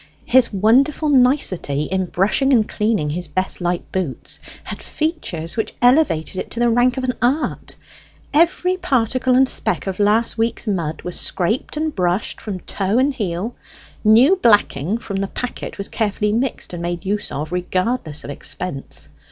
His wonderful nicety in brushing and cleaning his best light boots had features which elevated it to the rank of an art. Every particle and speck of last week's mud was scraped and brushed from toe and heel; new blacking from the packet was carefully mixed and made use of, regardless of expense.